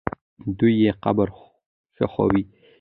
دوی یې قبر ښخوي.